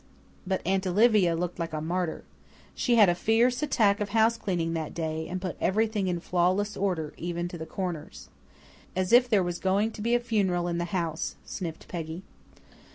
But Aunt Olivia looked like a martyr. She had a fierce attack of housecleaning that day, and put everything in flawless order, even to the corners. "As if there was going to be a funeral in the house," sniffed Peggy.